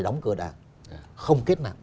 đóng cờ đảng không kết nạp